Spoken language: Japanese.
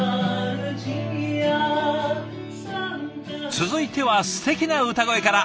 続いてはすてきな歌声から。